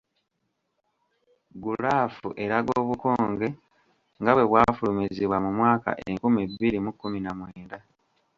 Gulaafu eraga obukonge nga bwe bwafulumizibwa mu mwaka enkumi bbiri mu kkumi na mwenda.